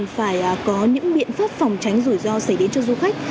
phải có những biện pháp phòng tránh rủi ro xảy đến cho du khách